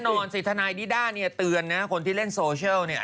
นอนสิทนายนิด้าเนี่ยเตือนนะคนที่เล่นโซเชียลเนี่ย